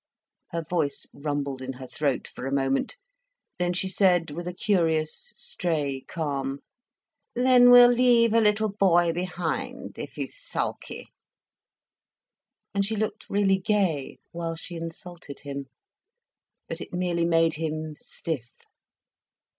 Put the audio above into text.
Her voice rumbled in her throat for a moment. Then she said, with a curious stray calm: "Then we'll leave a little boy behind, if he's sulky." And she looked really gay, while she insulted him. But it merely made him stiff.